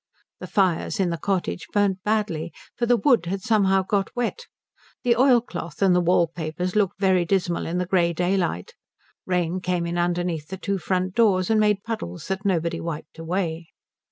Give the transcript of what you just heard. The fires in the cottage burnt badly, for the wood had somehow got wet. The oilcloth and the wall papers looked very dismal in the grey daylight. Rain came in underneath the two front doors and made puddles that nobody wiped away.